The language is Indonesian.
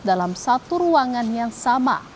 dalam satu ruangan yang sama